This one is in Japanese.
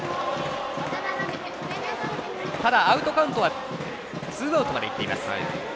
ただ、アウトカウントはツーアウトまでいっています。